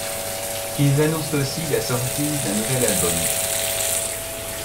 Ils annoncent aussi la sortie d'un nouvel album.